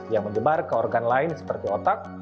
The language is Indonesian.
yang menyebar ke organ lain seperti otak